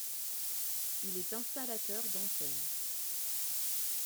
Il est installateur d'antennes.